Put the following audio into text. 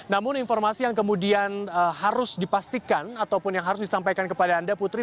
namun informasi yang kemudian harus dipastikan ataupun yang harus disampaikan kepada anda putri